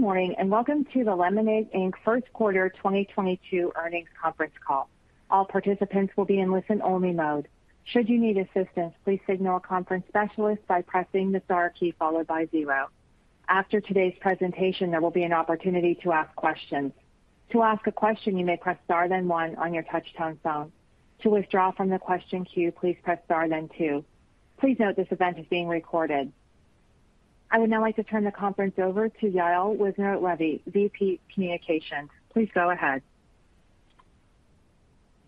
Good morning, and welcome to the Lemonade, Inc. first quarter 2022 earnings conference call. All participants will be in listen-only mode. Should you need assistance, please signal a conference specialist by pressing the star key followed by zero. After today's presentation, there will be an opportunity to ask questions. To ask a question, you may press star then one on your touchtone phone. To withdraw from the question queue, please press star then two. Please note this event is being recorded. I would now like to turn the conference over to Yael Wissner-Levy, VP, Communications. Please go ahead.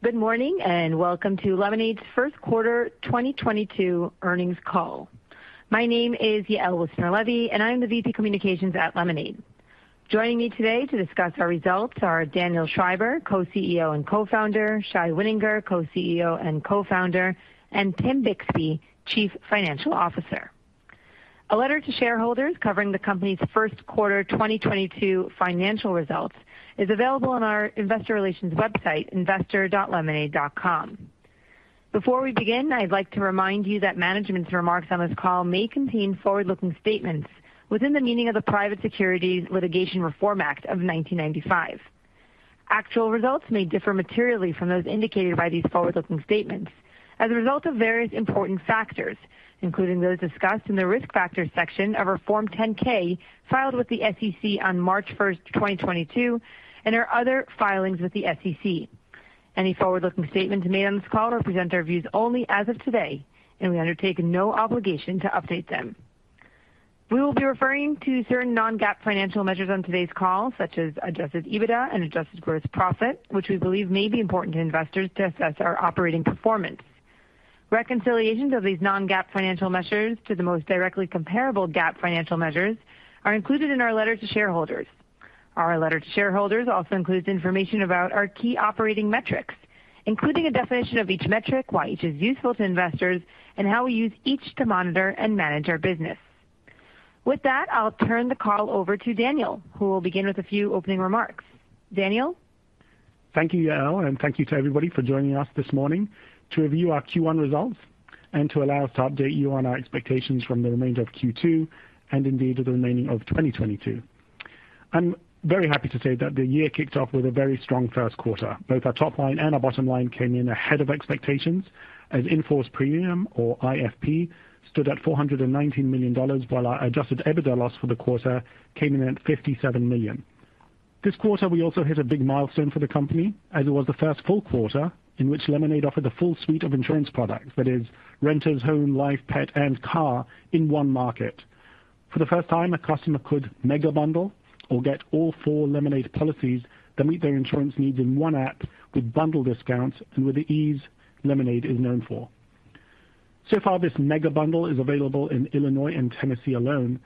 Good morning, and welcome to Lemonade's first quarter 2022 earnings call. My name is Yael Wissner-Levy, and I am the VP, Communications at Lemonade. Joining me today to discuss our results are Daniel Schreiber, Co-CEO and Co-founder, Shai Wininger, Co-CEO and Co-founder, and Tim Bixby, Chief Financial Officer. A letter to shareholders covering the company's first quarter 2022 financial results is available on our investor relations website, investor.lemonade.com. Before we begin, I'd like to remind you that management's remarks on this call may contain forward-looking statements within the meaning of the Private Securities Litigation Reform Act of 1995. Actual results may differ materially from those indicated by these forward-looking statements as a result of various important factors, including those discussed in the Risk Factors section of our Form 10-K filed with the SEC on March 1st, 2022, and our other filings with the SEC. Any forward-looking statements made on this call represent our views only as of today, and we undertake no obligation to update them. We will be referring to certain non-GAAP financial measures on today's call, such as adjusted EBITDA and adjusted gross profit, which we believe may be important to investors to assess our operating performance. Reconciliations of these non-GAAP financial measures to the most directly comparable GAAP financial measures are included in our letter to shareholders. Our letter to shareholders also includes information about our key operating metrics, including a definition of each metric, why each is useful to investors and how we use each to monitor and manage our business. With that, I'll turn the call over to Daniel, who will begin with a few opening remarks. Daniel? Thank you, Yael, and thank you to everybody for joining us this morning to review our Q1 results and to allow us to update you on our expectations from the remainder of Q2 and indeed the remainder of 2022. I'm very happy to say that the year kicked off with a very strong first quarter. Both our top line and our bottom line came in ahead of expectations as Inforce Premium or IFP stood at $419 million while our adjusted EBITDA loss for the quarter came in at $57 million. This quarter, we also hit a big milestone for the company as it was the first full quarter in which Lemonade offered a full suite of insurance products, that is renters, home, life, pet and car in one market. For the first time, a customer could mega bundle or get all four Lemonade policies that meet their insurance needs in one app with bundle discounts and with the ease Lemonade is known for. Far, this mega bundle is available in Illinois and Tennessee alone,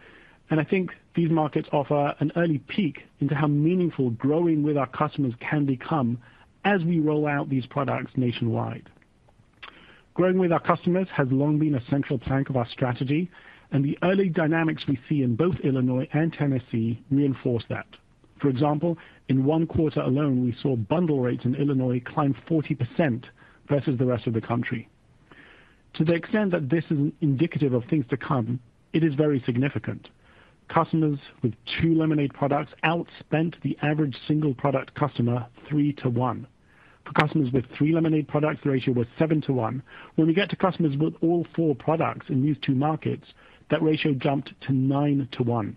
and I think these markets offer an early peek into how meaningful growing with our customers can become as we roll out these products nationwide. Growing with our customers has long been a central plank of our strategy, and the early dynamics we see in both Illinois and Tennessee reinforce that. For example, in one quarter alone, we saw bundle rates in Illinois climb 40% versus the rest of the country. To the extent that this is indicative of things to come, it is very significant. Customers with two Lemonade products outspent the average single product customer three-one. For customers with three Lemonade products, the ratio was seven-one. When we get to customers with all four products in these two markets, that ratio jumped to nine-one.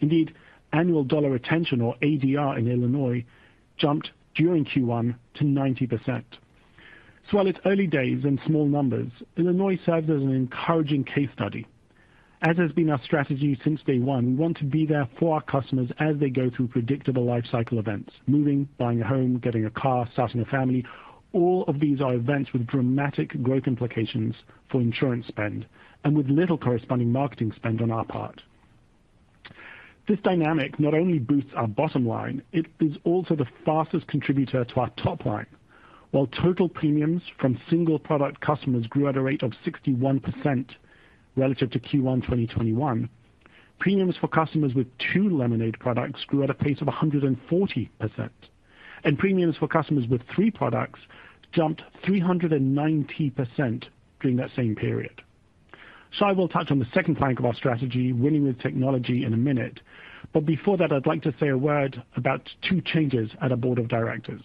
Indeed, annual dollar retention or ADR in Illinois jumped during Q1 to 90%. While it's early days in small numbers, Illinois serves as an encouraging case study. As has been our strategy since day one, we want to be there for our customers as they go through predictable life cycle events, moving, buying a home, getting a car, starting a family. All of these are events with dramatic growth implications for insurance spend and with little corresponding marketing spend on our part. This dynamic not only boosts our bottom line, it is also the fastest contributor to our top line. While total premiums from single product customers grew at a rate of 61% relative to Q1 2021, premiums for customers with two Lemonade products grew at a pace of 140%. Premiums for customers with three products jumped 390% during that same period. Shai will touch on the second plank of our strategy, winning with technology, in a minute, but before that, I'd like to say a word about two changes at our board of directors.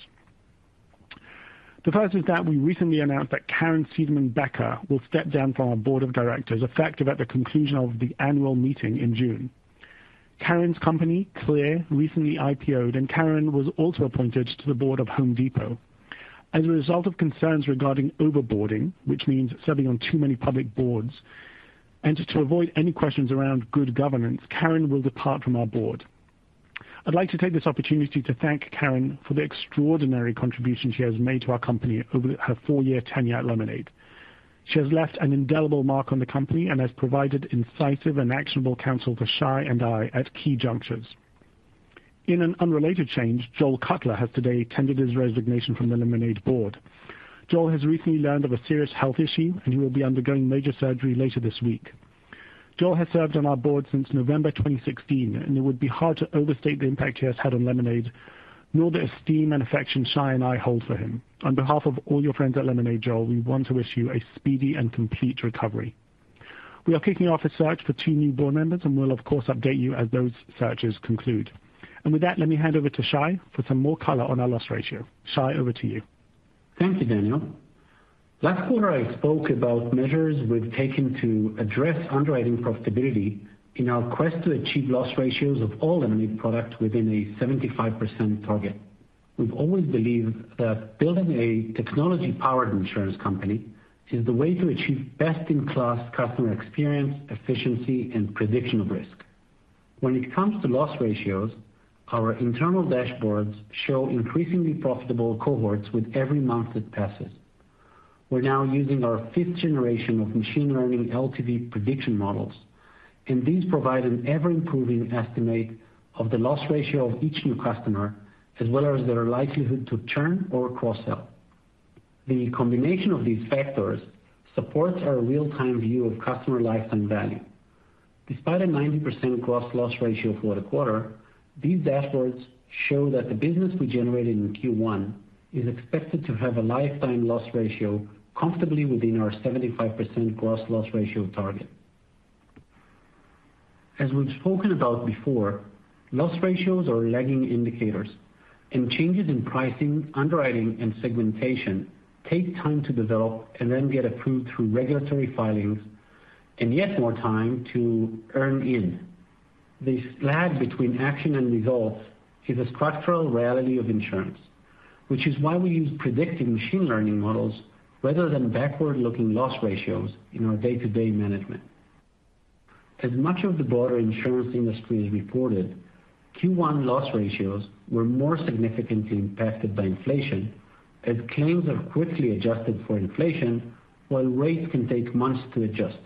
The first is that we recently announced that Caryn Seidman-Becker will step down from our board of directors, effective at the conclusion of the annual meeting in June. Caryn's company, CLEAR, recently IPO'd, and Caryn was also appointed to the board of Home Depot. As a result of concerns regarding over-boarding, which means serving on too many public boards, and to avoid any questions around good governance, Caryn will depart from our board. I'd like to take this opportunity to thank Caryn for the extraordinary contribution she has made to our company over her four-year tenure at Lemonade. She has left an indelible mark on the company and has provided incisive and actionable counsel for Shai and I at key junctures. In an unrelated change, Joel Cutler has today tendered his resignation from the Lemonade board. Joel has recently learned of a serious health issue, and he will be undergoing major surgery later this week. Joel has served on our board since November 2016, and it would be hard to overstate the impact he has had on Lemonade nor the esteem and affection Shai and I hold for him. On behalf of all your friends at Lemonade, Joel, we want to issue a speedy and complete recovery. We are kicking off a search for two new board members, and we'll of course update you as those searches conclude. With that, let me hand over to Shai for some more color on our loss ratio. Shai, over to you. Thank you, Daniel. Last quarter, I spoke about measures we've taken to address underwriting profitability in our quest to achieve loss ratios of all Lemonade products within a 75% target. We've always believed that building a technology-powered insurance company is the way to achieve best-in-class customer experience, efficiency, and prediction of risk. When it comes to loss ratios, our internal dashboards show increasingly profitable cohorts with every month that passes. We're now using our fifth-generation machine learning LTV prediction models, and these provide an ever-improving estimate of the loss ratio of each new customer, as well as their likelihood to churn or cross-sell. The combination of these factors supports our real-time view of customer lifetime value. Despite a 90% gross-loss ratio for the quarter, these dashboards show that the business we generated in Q1 is expected to have a lifetime loss ratio comfortably within our 75% gross loss ratio target. As we've spoken about before, loss ratios are lagging indicators, and changes in pricing, underwriting, and segmentation take time to develop and then get approved through regulatory filings and yet more time to earn in. This lag between action and results is a structural reality of insurance. Which is why we use predictive machine learning models rather than backward-looking loss ratios in our day-to-day management. As much of the broader insurance industry has reported, Q1 loss ratios were more significantly impacted by inflation as claims have quickly adjusted for inflation while rates can take months to adjust.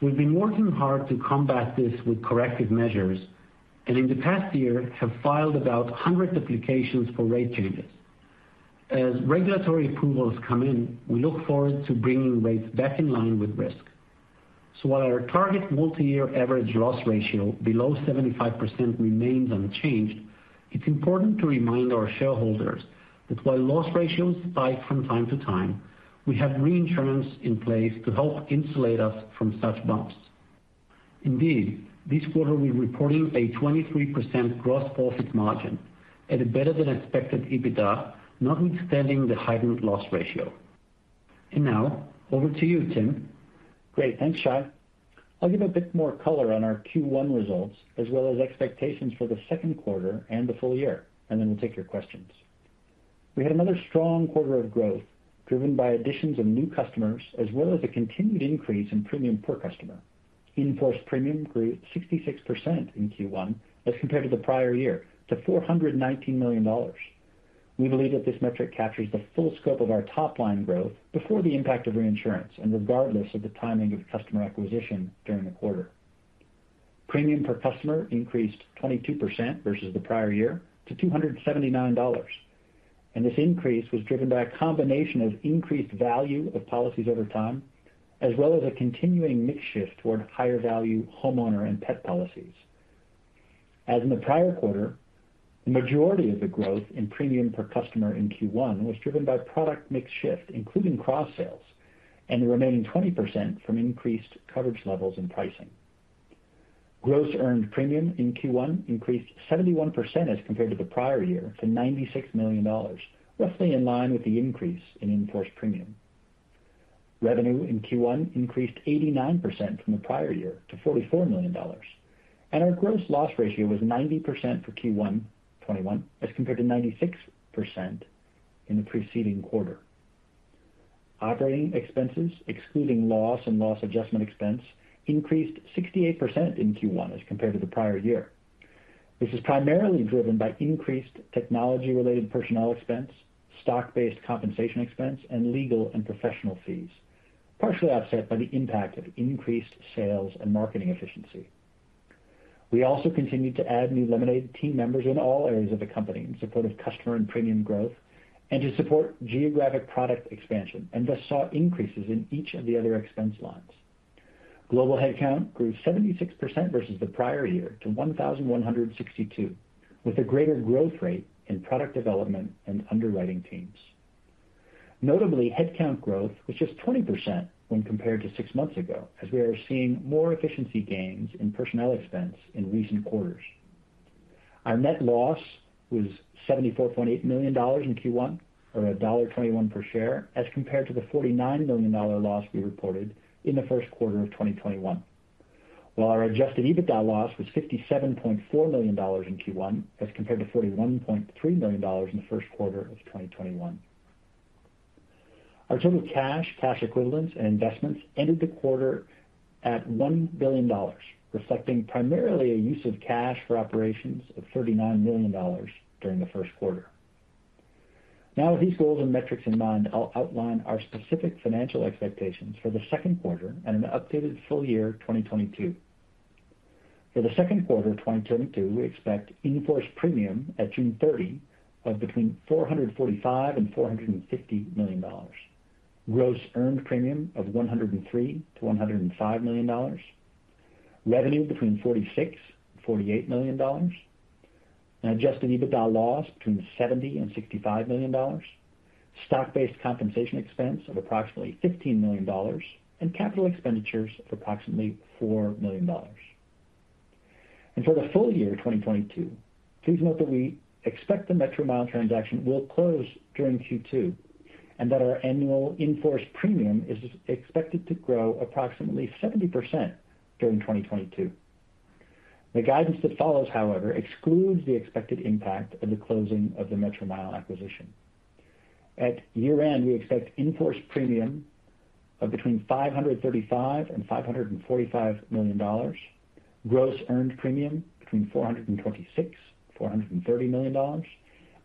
We've been working hard to combat this with corrective measures and in the past year have filed about 100 applications for rate changes. As regulatory approvals come in, we look forward to bringing rates back in line with risk. While our target multi-year average loss ratio below 75% remains unchanged, it's important to remind our shareholders that while loss ratios spike from time to time, we have reinsurance in place to help insulate us from such bumps. Indeed, this quarter we're reporting a 23% gross profit margin at a better than expected EBITDA, notwithstanding the heightened loss ratio. Now over to you, Tim. Great. Thanks, Shai. I'll give a bit more color on our Q1 results as well as expectations for the second quarter and the full year, and then we'll take your questions. We had another strong quarter of growth driven by additions of new customers as well as a continued increase in premium per customer. In-force premium grew 66% in Q1 as compared to the prior year to $419 million. We believe that this metric captures the full scope of our top-line growth before the impact of reinsurance and regardless of the timing of customer acquisition during the quarter. Premium per customer increased 22% versus the prior year to $279. This increase was driven by a combination of increased value of policies over time, as well as a continuing mix shift toward higher value homeowner and pet policies. As in the prior quarter, the majority of the growth in premium per customer in Q1 was driven by product mix shift, including cross-sales and the remaining 20% from increased coverage levels and pricing. Gross earned premium in Q1 increased 71% as compared to the prior year to $96 million, roughly in line with the increase in in-force premium. Revenue in Q1 increased 89% from the prior year to $44 million, and our gross loss ratio was 90% for Q1 2021 as compared to 96% in the preceding quarter. Operating expenses, excluding loss and loss adjustment expense, increased 68% in Q1 as compared to the prior year. This is primarily driven by increased technology-related personnel expense, stock-based compensation expense, and legal and professional fees, partially offset by the impact of increased sales and marketing efficiency. We also continued to add new Lemonade team members in all areas of the company in support of customer and premium growth and to support geographic product expansion and thus saw increases in each of the other expense lines. Global headcount grew 76% versus the prior year to 1,162, with a greater growth rate in product development and underwriting teams. Notably, headcount growth was just 20% when compared to six months ago, as we are seeing more efficiency gains in personnel expense in recent quarters. Our net loss was $74.8 million in Q1 or $1.21 per share, as compared to the $49 million loss we reported in the first quarter of 2021. While our adjusted EBITDA loss was $57.4 million in Q1 as compared to $41.3 million in the first quarter of 2021. Our total cash equivalents, and investments ended the quarter at $1 billion, reflecting primarily a use of cash for operations of $39 million during the first quarter. Now, with these goals and metrics in mind, I'll outline our specific financial expectations for the second quarter and an updated full year 2022. For the second quarter 2022, we expect in-force premium at June 30 of between $445 million and $450 million. Gross earned premium of $103 million-$105 million. Revenue between $46 million and $48 million. An adjusted EBITDA loss between $70 million and $65 million. Stock-based compensation expense of approximately $15 million and capital expenditures of approximately $4 million. For the full year 2022, please note that we expect the Metromile transaction will close during Q2, and that our annual in-force premium is expected to grow approximately 70% during 2022. The guidance that follows, however, excludes the expected impact of the closing of the Metromile acquisition. At year-end, we expect in-force premium of between $535 million-$545 million. Gross earned premium between $426 million-$430 million.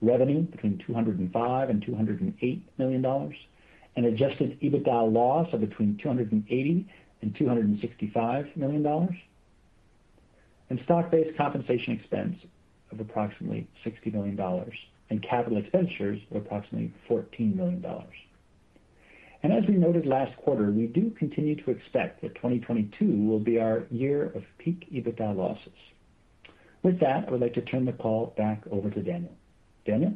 Revenue between $205 million-$208 million. Adjusted EBITDA loss of between $280 million-$265 million. Stock-based compensation expense of approximately $60 million and capital expenditures of approximately $14 million. As we noted last quarter, we do continue to expect that 2022 will be our year of peak EBITDA losses. With that, I would like to turn the call back over to Daniel. Daniel?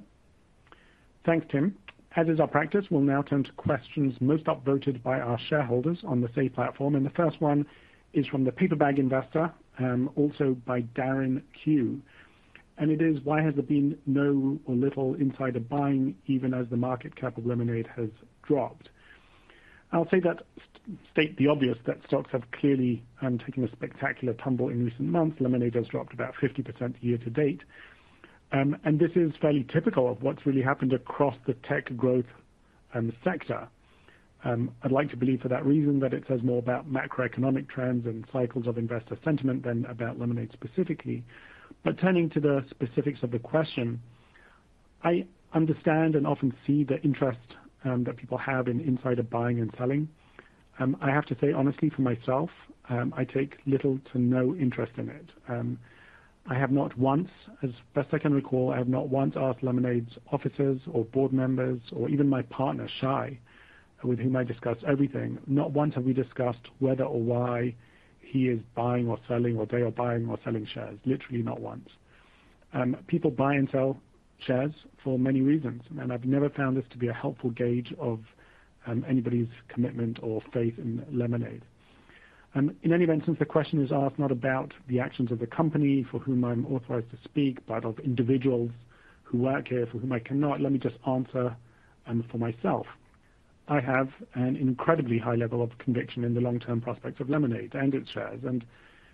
Thanks, Tim. As is our practice, we'll now turn to questions most upvoted by our shareholders on the Say platform, and the first one is from the Paper Bag Investor, also by Darren Q. It is why has there been no or little insider buying even as the market cap of Lemonade has dropped? I'll state the obvious, that stocks have clearly taken a spectacular tumble in recent months. Lemonade has dropped about 50% year to date. This is fairly typical of what's really happened across the tech growth sector. I'd like to believe for that reason that it says more about macroeconomic trends and cycles of investor sentiment than about Lemonade specifically. Turning to the specifics of the question, I understand and often see the interest that people have in insider buying and selling. I have to say honestly, for myself, I take little to no interest in it. I have not once, as best I can recall, asked Lemonade's officers or board members or even my partner Shai, with whom I discuss everything. Not once have we discussed whether or why he is buying or selling, or they are buying or selling shares. Literally, not once. People buy and sell shares for many reasons, and I've never found this to be a helpful gauge of anybody's commitment or faith in Lemonade. In any event, since the question is asked not about the actions of the company for whom I'm authorized to speak, but of individuals who work here for whom I cannot, let me just answer for myself. I have an incredibly high level of conviction in the long-term prospects of Lemonade and its shares.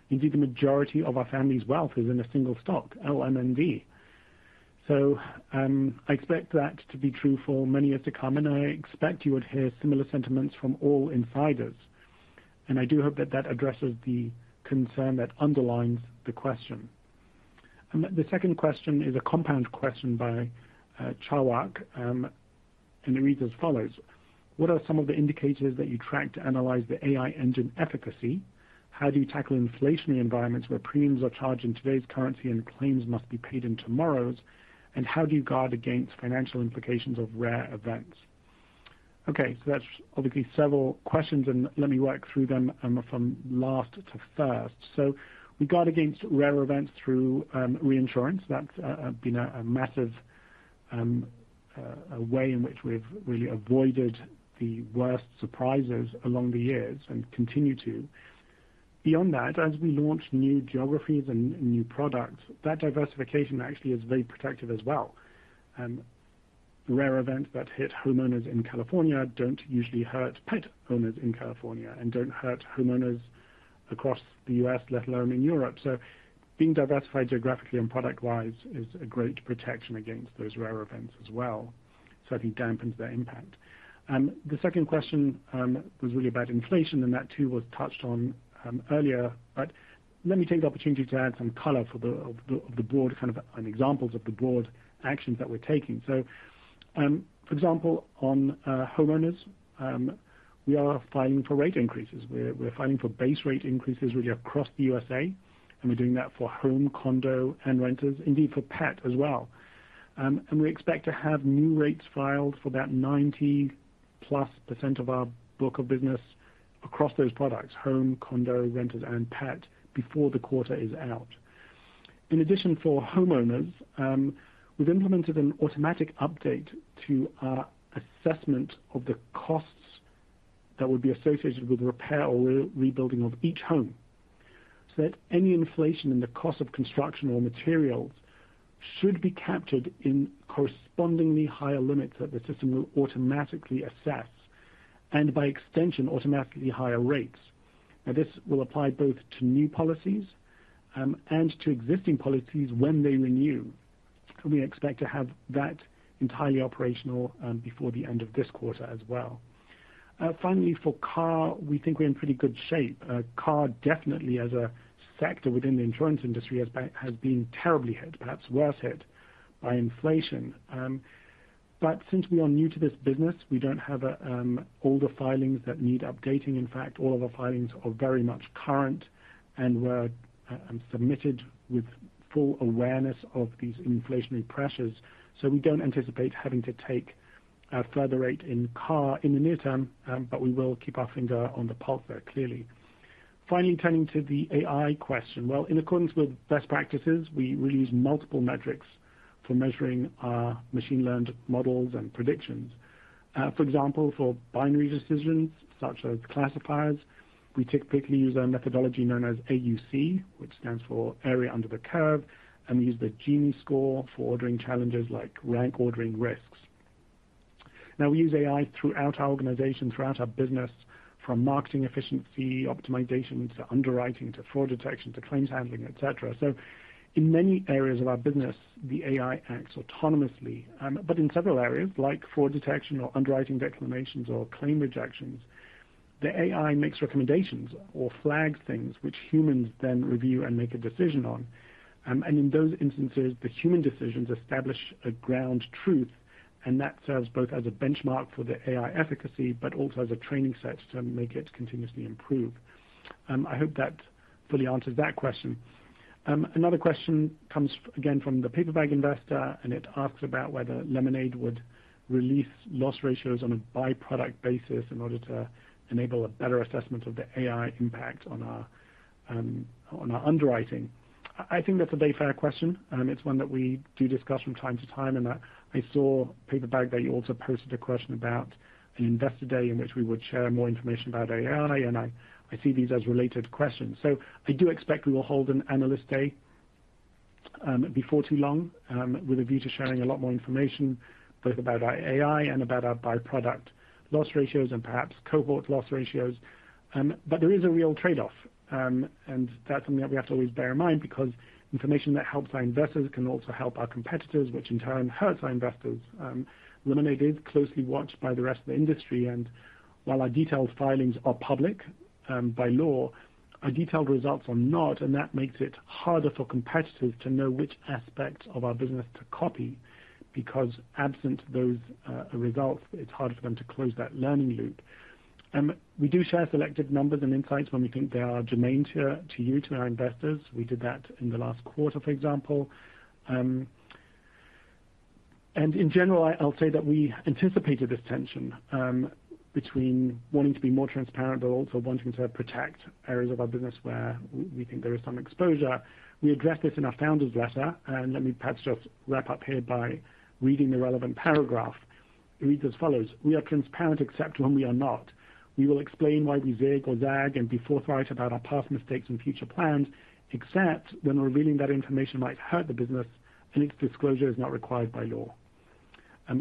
Indeed, the majority of our family's wealth is in a single stock, LMND. I expect that to be true for many years to come, and I expect you would hear similar sentiments from all insiders. I do hope that that addresses the concern that underlines the question. The second question is a compound question by Charwak, and it reads as follows: What are some of the indicators that you track to analyze the AI engine efficacy? How do you tackle inflationary environments where premiums are charged in today's currency and claims must be paid in tomorrow's? And how do you guard against financial implications of rare events? That's obviously several questions, and let me work through them from last to first. We guard against rare events through reinsurance. That's been a massive way in which we've really avoided the worst surprises over the years and continue to. Beyond that, as we launch new geographies and new products, that diversification actually is very protective as well. Rare events that hit homeowners in California don't usually hurt pet owners in California and don't hurt homeowners across the U.S., let alone in Europe. Being diversified geographically and product-wise is a great protection against those rare events as well. Certainly dampens their impact. The second question was really about inflation, and that too was touched on earlier. Let me take the opportunity to add some color from the board, kind of, and examples of the board actions that we're taking. For example, on homeowners, we are filing for rate increases. We're filing for base rate increases really across the USA, and we're doing that for home, condo and renters indeed for pet as well. We expect to have new rates filed for about 90+% of our book of business across those products home, condo, renters and pet before the quarter is out. In addition, for homeowners, we've implemented an automatic update to our assessment of the costs that would be associated with repair or rebuilding of each home, so that any inflation in the cost of construction or materials should be captured in correspondingly higher limits that the system will automatically assess and by extension, automatically higher rates. Now this will apply both to new policies, and to existing policies when they renew. We expect to have that entirely operational before the end of this quarter as well. Finally for car, we think we're in pretty good shape. Car definitely as a sector within the insurance industry has been terribly hit, perhaps worst hit by inflation. But since we are new to this business, we don't have older filings that need updating. In fact, all of our filings are very much current and were submitted with full awareness of these inflationary pressures. We don't anticipate having to take a further rate in car in the near term, but we will keep our finger on the pulse there clearly. Finally turning to the AI question. Well, in accordance with best practices, we use multiple metrics for measuring our machine learned models and predictions. For example, for binary decisions such as classifiers, we typically use a methodology known as AUC, which stands for Area Under the Curve, and we use the Gini score for ordering challenges like rank ordering risks. We use AI throughout our organization, throughout our business, from marketing efficiency optimization to underwriting to fraud detection to claims handling, et cetera. In many areas of our business, the AI acts autonomously. In several areas like fraud detection or underwriting declinations or claim rejections, the AI makes recommendations or flags things which humans then review and make a decision on. In those instances, the human decisions establish a ground truth, and that serves both as a benchmark for the AI efficacy, but also as a training set to make it continuously improve. I hope that fully answers that question. Another question comes again from the Paper Bag Investor, and it asks about whether Lemonade would release loss ratios on a by-product basis in order to enable a better assessment of the AI impact on our underwriting. I think that's a very fair question. It's one that we do discuss from time to time and I saw Paper Bag Investor that you also posted a question about an investor day in which we would share more information about AI, and I see these as related questions. I do expect we will hold an analyst day, with a view to sharing a lot more information both about our AI and about our by-product loss ratios and perhaps cohort loss ratios. There is a real trade-off, and that's something that we have to always bear in mind because information that helps our investors can also help our competitors, which in turn hurts our investors. Lemonade is closely watched by the rest of the industry, and while our detailed filings are public, by law, our detailed results are not, and that makes it harder for competitors to know which aspects of our business to copy, because absent those, results, it's harder for them to close that learning loop. We do share selected numbers and insights when we think they are germane to you, our investors. We did that in the last quarter, for example. In general, I'll say that we anticipated this tension between wanting to be more transparent but also wanting to protect areas of our business where we think there is some exposure. We address this in our founder's letter, and let me perhaps just wrap up here by reading the relevant paragraph. It reads as follows: "We are transparent except when we are not. We will explain why we zig or zag and be forthright about our past mistakes and future plans, except when revealing that information might hurt the business and its disclosure is not required by law.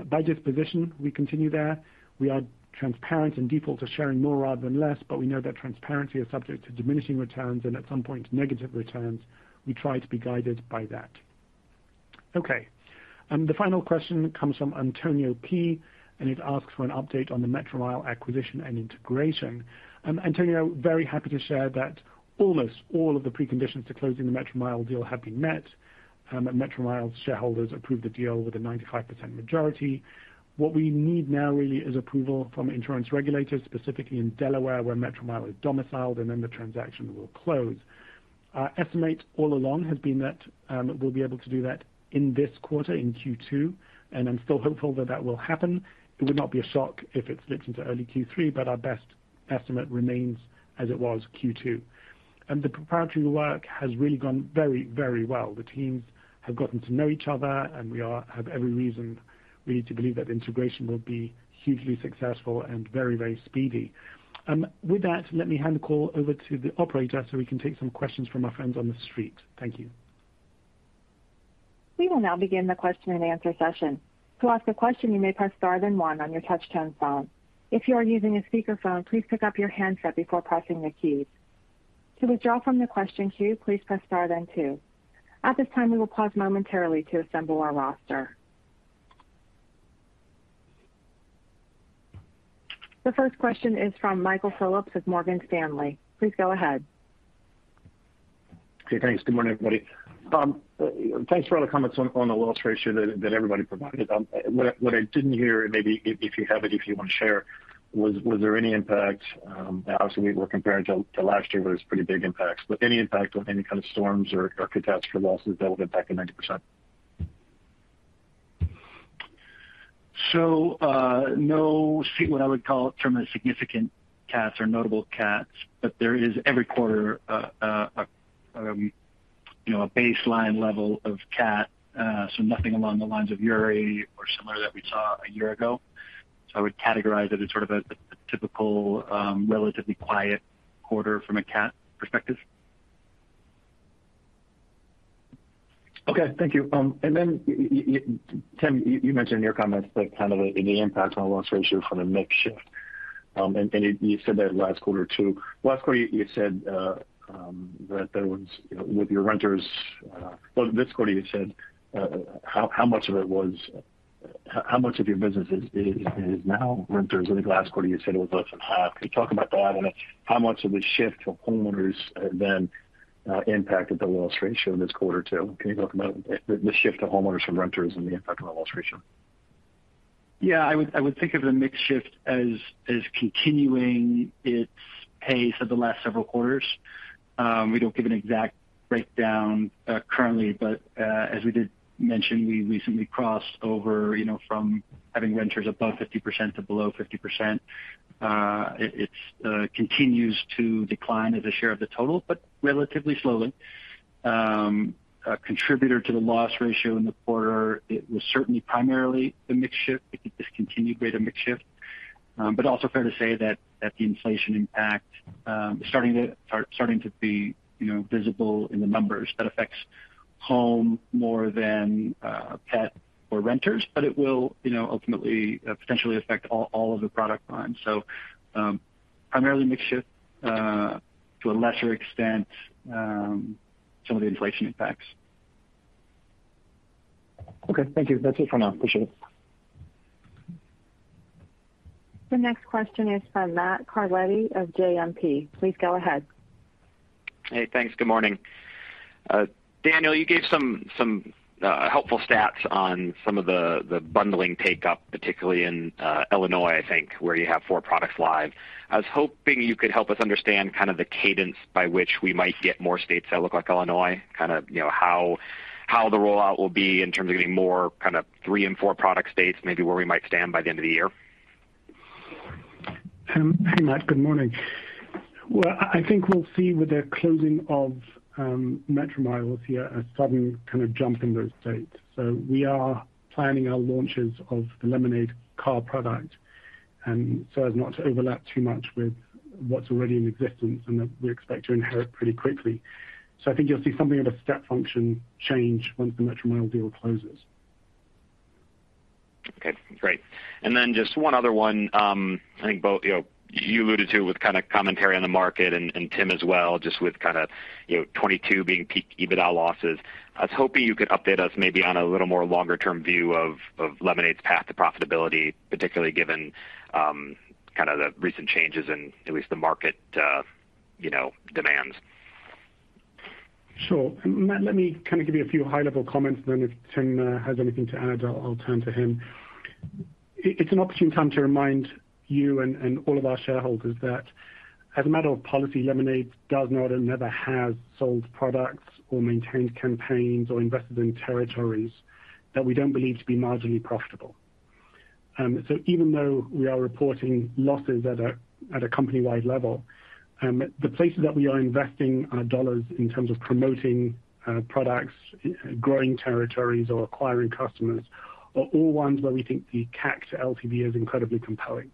By disposition, we continue there. We are transparent and default to sharing more rather than less, but we know that transparency is subject to diminishing returns and at some point negative returns. We try to be guided by that. Okay, the final question comes from Antonio P, and it asks for an update on the Metromile acquisition and integration. Antonio, very happy to share that almost all of the preconditions to closing the Metromile deal have been met. Metromile shareholders approved the deal with a 95% majority. What we need now really is approval from insurance regulators, specifically in Delaware, where Metromile is domiciled, and then the transaction will close. Our estimate all along has been that, we'll be able to do that in this quarter, in Q2, and I'm still hopeful that that will happen. It would not be a shock if it slips into early Q3, but our best estimate remains as it was Q2. The proprietary work has really gone very, very well. The teams have gotten to know each other and have every reason really to believe that the integration will be hugely successful and very, very speedy. With that, let me hand the call over to the operator so we can take some questions from our friends on the street. Thank you. We will now begin the question and answer session. To ask a question, you may press star then one on your touch-tone phone. If you are using a speakerphone, please pick up your handset before pressing the keys. To withdraw from the question queue, please press star then two. At this time, we will pause momentarily to assemble our roster. The first question is from Michael Phillips with Morgan Stanley. Please go ahead. Okay, thanks. Good morning, everybody. Thanks for all the comments on the loss ratio that everybody provided. What I didn't hear, and maybe if you have it, if you want to share, was there any impact, obviously we're comparing to last year where there's pretty big impacts, but any impact on any kind of storms or catastrophe losses that will get back to 90%? No, see what I would call a significant cat or notable cat, but there is every quarter, you know, a baseline level of cat, so nothing along the lines of Uri or similar that we saw a year ago. I would categorize it as sort of a typical, relatively quiet quarter from a cat perspective. Okay, thank you. You, Tim, mentioned in your comments that kind of the impact on loss ratio from the mix shift. You said that last quarter too. Last quarter you said. Well, this quarter you said how much of it was, how much of your business is now renters. I think last quarter you said it was less than half. Can you talk about that and how much of the shift to homeowners then impacted the loss ratio in this quarter too? Can you talk about the shift to homeowners from renters and the impact on the loss ratio? Yeah, I would think of the mix shift as continuing its pace of the last several quarters. We don't give an exact breakdown currently, but as we did mention, we recently crossed over, you know, from having renters above 50% to below 50%. It continues to decline as a share of the total, but relatively slowly. A contributor to the loss ratio in the quarter, it was certainly primarily the mix shift, the continued rate of mix shift. But also fair to say that the inflation impact starting to be, you know, visible in the numbers that affects home more than pet or renters, but it will, you know, ultimately potentially affect all of the product lines. Primarily mix shift, to a lesser extent, some of the inflation impacts. Okay. Thank you. That's it for now. Appreciate it. The next question is from Matt Carletti of JMP. Please go ahead. Hey, thanks. Good morning. Daniel, you gave some helpful stats on some of the bundling take up, particularly in Illinois, I think, where you have four products live. I was hoping you could help us understand kind of the cadence by which we might get more states that look like Illinois, kind of, you know, how the rollout will be in terms of getting more kind of three and four product states, maybe where we might stand by the end of the year. Hi, Matt, good morning. Well, I think we'll see with the closing of Metromile here a sudden kind of jump in those states. We are planning our launches of the Lemonade Car product and so as not to overlap too much with what's already in existence and that we expect to inherit pretty quickly. I think you'll see something of a step function change once the Metromile deal closes. Okay, great. Just one other one. I think both, you know, you alluded to with kind of commentary on the market and Tim as well, just with kind of, you know, 2022 being peak EBITDA losses. I was hoping you could update us maybe on a little more longer term view of Lemonade's path to profitability, particularly given kind of the recent changes in at least the market, you know, demands. Sure. Matt, let me kind of give you a few high-level comments then if Tim has anything to add, I'll turn to him. It's an opportune time to remind you and all of our shareholders that as a matter of policy, Lemonade does not and never has sold products or maintained campaigns or invested in territories that we don't believe to be marginally profitable. Even though we are reporting losses at a company-wide level, the places that we are investing our dollars in terms of promoting products, growing territories or acquiring customers are all ones where we think the CAC to LTV is incredibly compelling.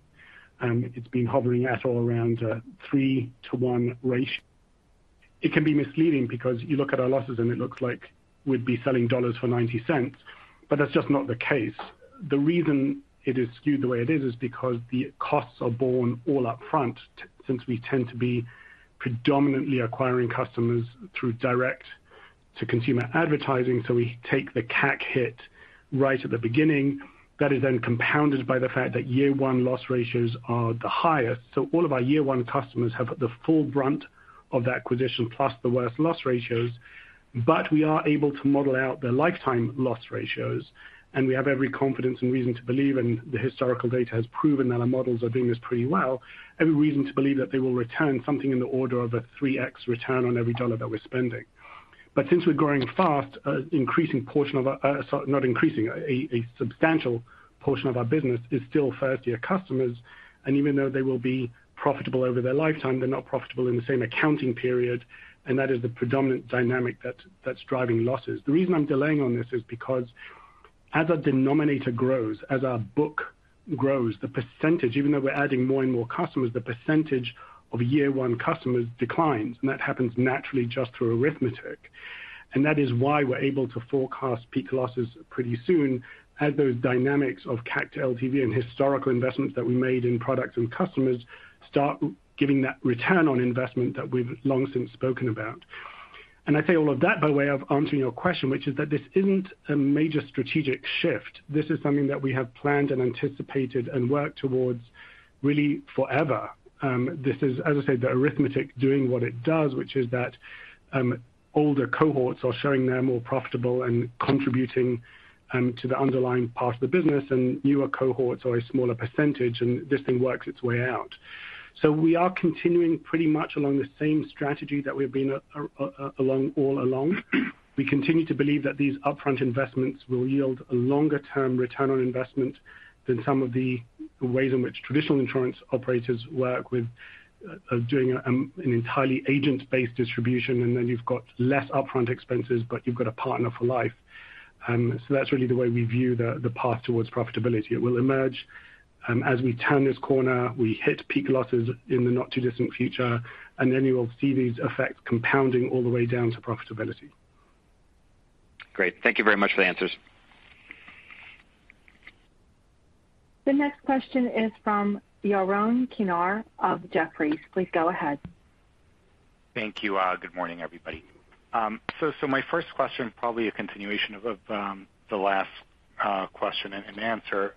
It's been hovering at all around a three-one ratio. It can be misleading because you look at our losses and it looks like we'd be selling dollars for $0.90, but that's just not the case. The reason it is skewed the way it is because the costs are borne all up front since we tend to be predominantly acquiring customers through direct-to-consumer advertising. We take the CAC hit right at the beginning. That is then compounded by the fact that year one loss ratios are the highest. All of our year one customers have the full brunt of the acquisition plus the worst loss ratios. We are able to model out their lifetime loss ratios, and we have every confidence and reason to believe, and the historical data has proven that our models are doing this pretty well, every reason to believe that they will return something in the order of a 3x return on every dollar that we're spending. Since we're growing fast, a substantial portion of our business is still first year customers. Even though they will be profitable over their lifetime, they're not profitable in the same accounting period. That is the predominant dynamic that's driving losses. The reason I'm delaying on this is because as our denominator grows, as our book grows, the percentage, even though we're adding more and more customers, the percentage of year one customers declines. That happens naturally just through arithmetic. That is why we're able to forecast peak losses pretty soon as those dynamics of CAC to LTV and historical investments that we made in products and customers start giving that return on investment that we've long since spoken about. I say all of that by way of answering your question, which is that this isn't a major strategic shift. This is something that we have planned and anticipated and worked towards really forever. This is, as I said, the arithmetic doing what it does, which is that, older cohorts are showing they're more profitable and contributing, to the underlying part of the business and newer cohorts are a smaller percentage, and this thing works its way out. We are continuing pretty much along the same strategy that we've been along all along. We continue to believe that these upfront investments will yield a longer term return on investment than some of the ways in which traditional insurance operators work with doing an entirely agent-based distribution. You've got less upfront expenses, but you've got a partner for life. That's really the way we view the path towards profitability. It will emerge as we turn this corner. We hit peak losses in the not too distant future, and then you will see these effects compounding all the way down to profitability. Great. Thank you very much for the answers. The next question is from Yaron Kinar of Jefferies. Please go ahead. Thank you. Good morning, everybody. So my first question, probably a continuation of the last question and answer.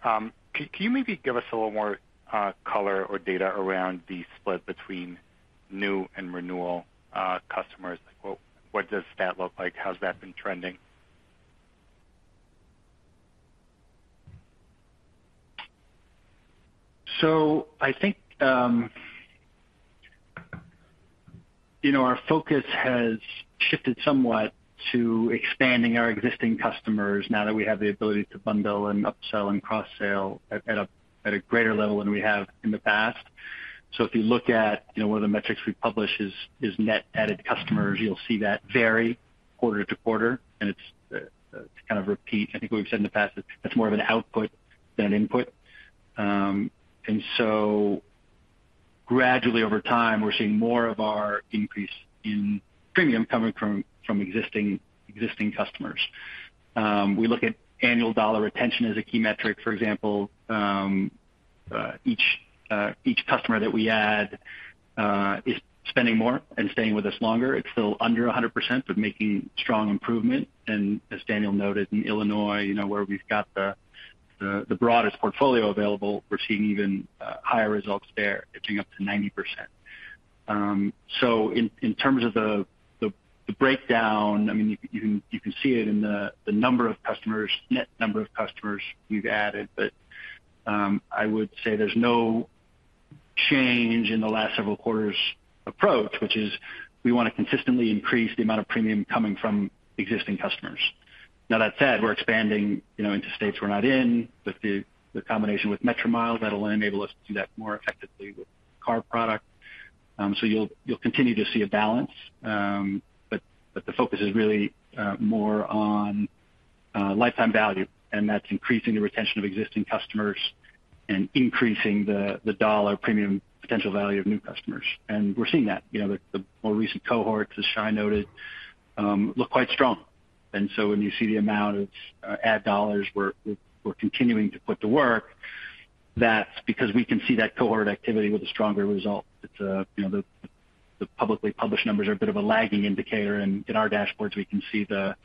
Can you maybe give us a little more color or data around the split between new and renewal customers? What does that look like? How's that been trending? I think, you know, our focus has shifted somewhat to expanding our existing customers now that we have the ability to bundle and upsell and cross-sell at a greater level than we have in the past. If you look at, you know, one of the metrics we publish is net added customers. You'll see that vary quarter-to-quarter, and it's to kind of repeat I think what we've said in the past, that's more of an output than an input. Gradually over time, we're seeing more of our increase in premium coming from existing customers. We look at annual dollar retention as a key metric. For example, each customer that we add is spending more and staying with us longer. It's still under 100%, but making strong improvement. As Daniel noted, in Illinois, where we've got the broadest portfolio available, we're seeing even higher results there, inching up to 90%. In terms of the breakdown, I mean, you can see it in the net number of customers we've added. I would say there's no change in the last several quarters approach, which is we want to consistently increase the amount of premium coming from existing customers. Now that said, we're expanding, you know, into states we're not in. With the combination with Metromile, that'll enable us to do that more effectively with car product. You'll continue to see a balance. The focus is really more on lifetime value, and that's increasing the retention of existing customers and increasing the dollar premium potential value of new customers. We're seeing that. You know, the more recent cohorts, as Shai noted, look quite strong. When you see the amount of ad dollars we're continuing to put to work, that's because we can see that cohort activity with a stronger result. You know, the publicly published numbers are a bit of a lagging indicator, and in our dashboards, we can see the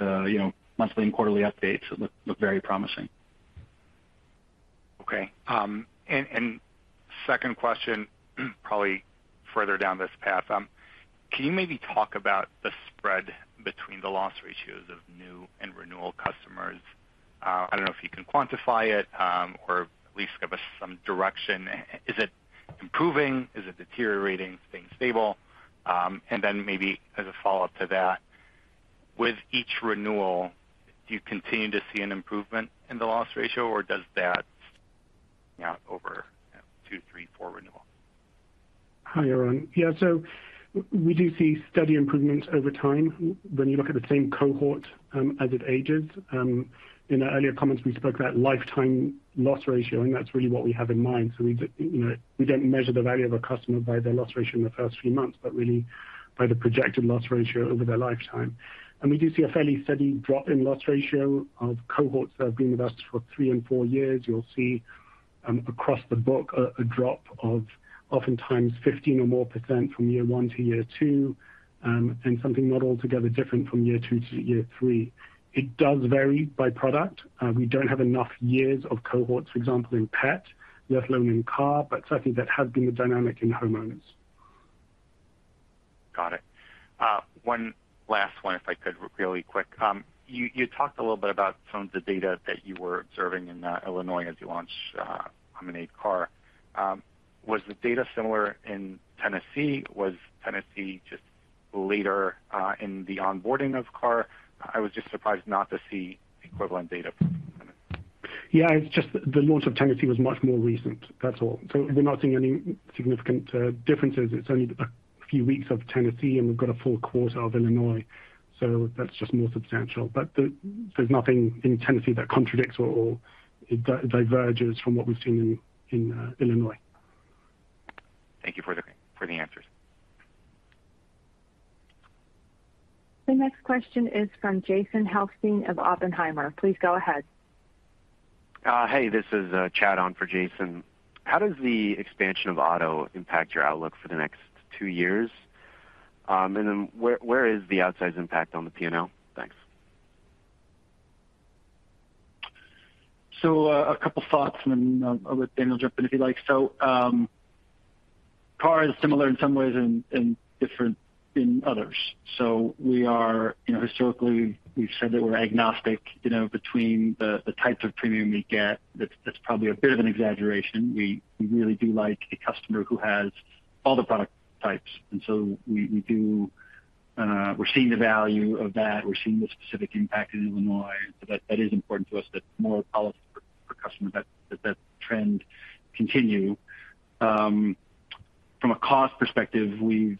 you know monthly and quarterly updates look very promising. Okay. And second question, probably further down this path. Can you maybe talk about the spread between the loss ratios of new and renewal customers? I don't know if you can quantify it, or at least give us some direction. Is it improving? Is it deteriorating, staying stable? And then maybe as a follow-up to that, with each renewal, do you continue to see an improvement in the loss ratio or does that count over two, three, four renewals? Hi, Yaron. Yeah. We do see steady improvements over time when you look at the same cohort, as it ages. In our earlier comments, we spoke about lifetime loss ratio, and that's really what we have in mind. You know, we don't measure the value of a customer by their loss ratio in the first few months, but really by the projected loss ratio over their lifetime. We do see a fairly steady drop in loss ratio of cohorts that have been with us for three and four years. You'll see, across the book a drop of oftentimes 15% or more from year one to year two, and something not altogether different from year two to year three. It does vary by product. We don't have enough years of cohorts, for example, in pet, let alone in car, but certainly that has been the dynamic in homeowners. Got it. One last one if I could, really quick. You talked a little bit about some of the data that you were observing in Illinois as you launch Lemonade Car. Was the data similar in Tennessee? Was Tennessee just later in the onboarding of Car? I was just surprised not to see equivalent data from Tennessee. Yeah. It's just the launch of Tennessee was much more recent, that's all. We're not seeing any significant differences. It's only a few weeks of Tennessee, and we've got a full quarter of Illinois, so that's just more substantial. There's nothing in Tennessee that contradicts or diverges from what we've seen in Illinois. Thank you for the answers. The next question is from Jason Helfstein of Oppenheimer. Please go ahead. Hey, this is Chad on for Jason. How does the expansion of auto impact your outlook for the next two years? Where is the outsize impact on the P&L? Thanks. A couple thoughts and then I'll let Daniel jump in if he likes. Car is similar in some ways and different in others. We are, you know, historically we've said that we're agnostic, you know, between the types of premium we get. That's probably a bit of an exaggeration. We really do like a customer who has all the product types, and so we do. We're seeing the value of that. We're seeing the specific impact in Illinois. That is important to us, that more policy for customers, that trend continue. From a cost perspective, we've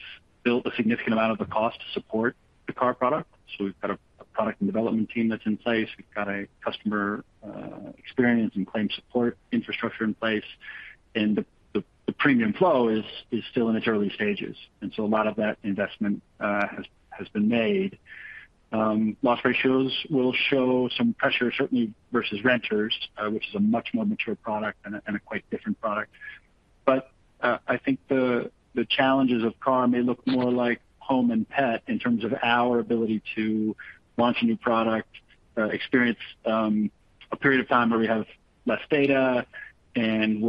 built a significant amount of the cost to support the Car product. We've got a product and development team that's in place. We've got a customer experience and claim support infrastructure in place. The premium flow is still in its early stages. A lot of that investment has been made. Loss ratios will show some pressure certainly versus renters, which is a much more mature product and a quite different product. I think the challenges of Car may look more like home and pet in terms of our ability to launch a new product, experience a period of time where we have less data and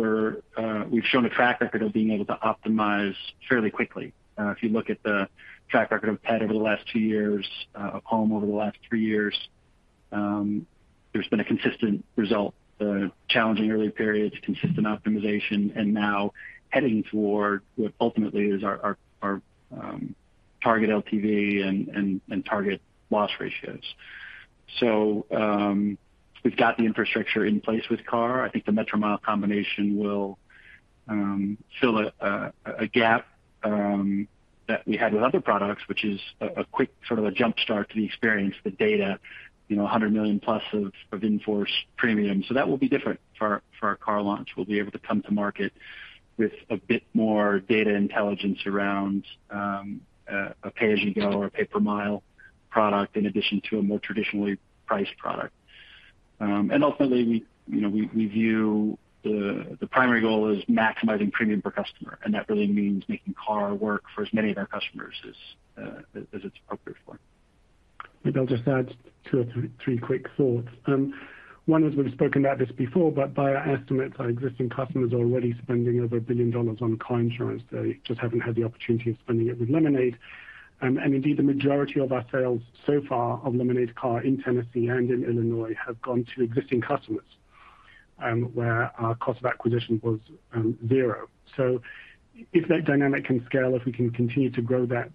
we've shown a track record of being able to optimize fairly quickly. If you look at the track record of pet over the last two years, of home over the last three years, there's been a consistent result, challenging early periods, consistent optimization, and now heading toward what ultimately is our target LTV and target loss ratios. We've got the infrastructure in place with car. I think the Metromile combination will fill a gap that we had with other products, which is a quick sort of a jump-start to the experience, the data, you know, $100 million plus of in-force premium. That will be different for our car launch. We'll be able to come to market with a bit more data intelligence around a pay-as-you-go or a pay-per-mile product in addition to a more traditionally priced product. Ultimately, you know, we view the primary goal is maximizing premium per customer, and that really means making car work for as many of our customers as it's appropriate for. Maybe I'll just add two or three quick thoughts. One is we've spoken about this before, but by our estimate, our existing customers are already spending over $1 billion on car insurance. They just haven't had the opportunity of spending it with Lemonade. Indeed, the majority of our sales so far of Lemonade Car in Tennessee and in Illinois have gone to existing customers, where our cost of acquisition was zero. If that dynamic can scale, if we can continue to grow that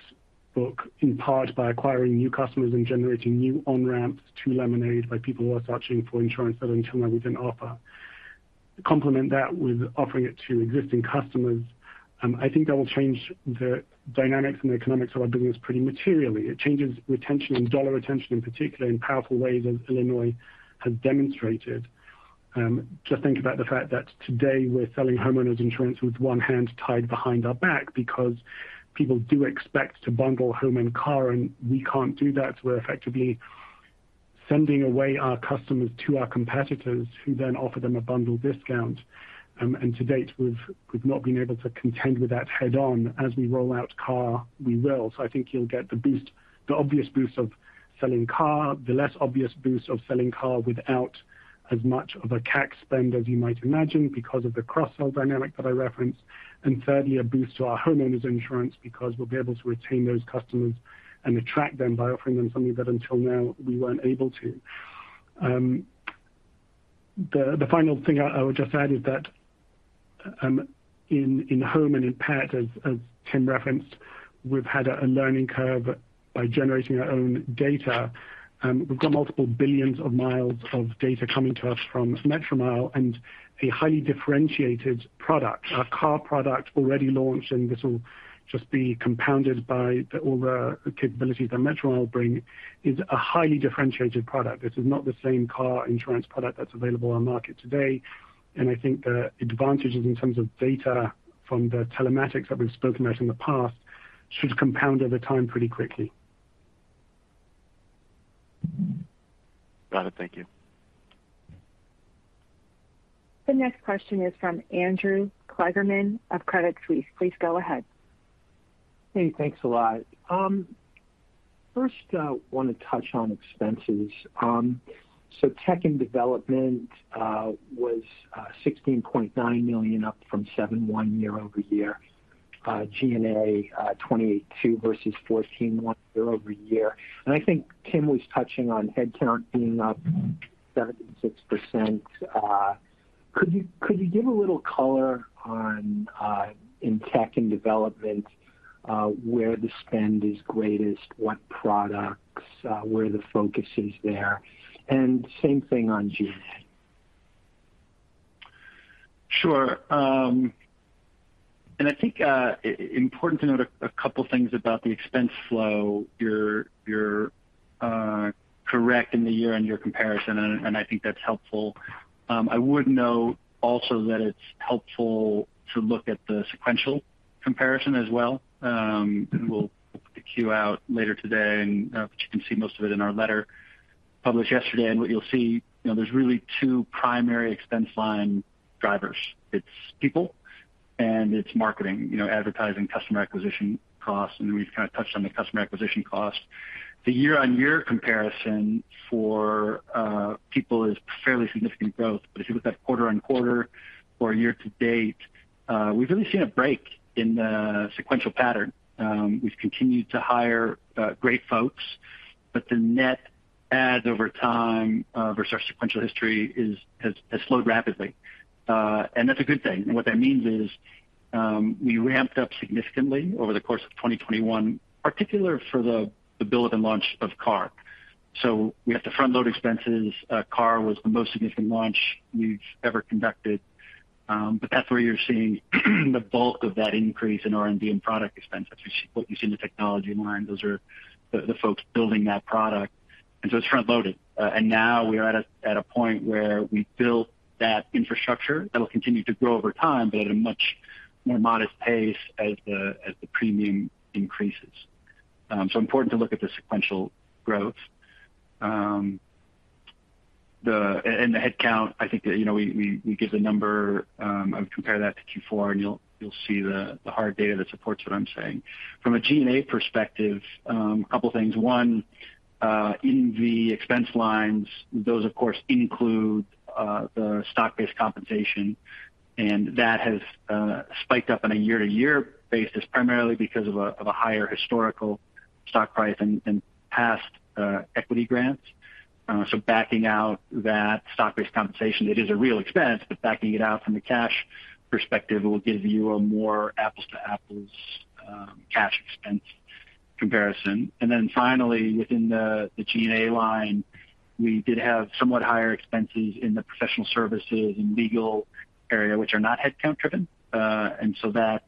book in part by acquiring new customers and generating new on-ramps to Lemonade by people who are searching for insurance that until now we didn't offer, complement that with offering it to existing customers, I think that will change the dynamics and the economics of our business pretty materially. It changes retention and dollar retention in particular in powerful ways as Illinois has demonstrated. Just think about the fact that today we're selling homeowners insurance with one hand tied behind our back because people do expect to bundle home and car, and we can't do that. We're effectively sending away our customers to our competitors who then offer them a bundle discount. To date, we've not been able to contend with that head-on. As we roll out car, we will. I think you'll get the boost, the obvious boost of selling car, the less obvious boost of selling car without as much of a CAC spend as you might imagine because of the cross-sell dynamic that I referenced. Thirdly, a boost to our homeowners insurance because we'll be able to retain those customers and attract them by offering them something that until now we weren't able to. The final thing I would just add is that in home and in pet, as Tim referenced, we've had a learning curve by generating our own data. We've got multiple billions of miles of data coming to us from Metromile and a highly differentiated product. Our car product already launched, and this will just be compounded by all the capabilities that Metromile brings, a highly differentiated product. This is not the same car insurance product that's available on the market today. I think the advantages in terms of data from the telematics that we've spoken about in the past should compound over time pretty quickly. Got it. Thank you. The next question is from Andrew Kligerman of Credit Suisse. Please go ahead. Hey, thanks a lot. First, wanna touch on expenses. Tech and development was $16.9 million, up from $7.1 million year-over-year. G&A, $28.2 million versus $14.1 million year-over-year. I think Tim was touching on headcount being up 76%. Could you give a little color on in tech and development, where the spend is greatest, what products, where the focus is there? Same thing on G&A. Sure. I think important to note a couple things about the expense flow. You're correct in the year-on-year comparison, and I think that's helpful. I would note also that it's helpful to look at the sequential comparison as well. We'll put the Q out later today, but you can see most of it in our letter published yesterday. What you'll see, you know, there's really two primary expense line drivers. It's people, and it's marketing, you know, advertising, customer acquisition costs, and we've kind of touched on the customer acquisition costs. The year-on-year comparison for people is fairly significant growth. If you look at quarter-on-quarter or year to date, we've really seen a break in the sequential pattern. We've continued to hire great folks, but the net adds over time versus our sequential history has slowed rapidly. That's a good thing. What that means is we ramped up significantly over the course of 2021, particularly for the build and launch of car. We had to front load expenses. Car was the most significant launch we've ever conducted. But that's where you're seeing the bulk of that increase in R&D and product expense. That's what you see in the technology line. Those are the folks building that product. It's front loaded. Now we are at a point where we built that infrastructure that'll continue to grow over time, but at a much more modest pace as the premium increases. Important to look at the sequential growth. And the headcount, I think, you know, we give the number. I would compare that to Q4, and you'll see the hard data that supports what I'm saying. From a G&A perspective, a couple things. One, in the expense lines, those of course include the stock-based compensation, and that has spiked up on a year-to-year basis primarily because of a higher historical stock price and past equity grants. So backing out that stock-based compensation, it is a real expense, but backing it out from the cash perspective will give you a more apples to apples cash expense comparison. Then finally, within the G&A line, we did have somewhat higher expenses in the professional services and legal area, which are not headcount-driven. That